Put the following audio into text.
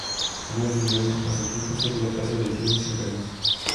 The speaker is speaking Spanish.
Uno de sus grandes pasatiempos es la caza de ciervos y renos.